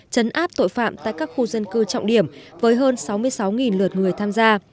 chấn áp tội phạm tại các khu dân cư trọng điểm với hơn sáu mươi sáu lượt người tham gia